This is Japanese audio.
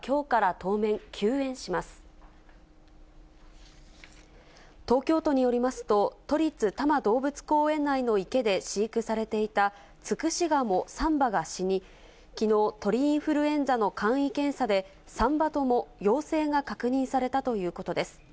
東京都によりますと、都立多摩動物公園内の池で飼育されていたツクシガモ３羽が死に、きのう、鳥インフルエンザの簡易検査で、３羽とも陽性が確認されたということです。